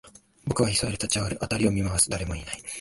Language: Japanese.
僕は急いで立ち上がる、辺りを見回す、誰もいない